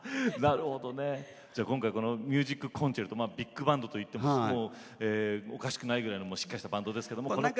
今回、このミュージックコンチェルトビッグバンドといってもおかしくないくらいのしっかりしたバンドですけど。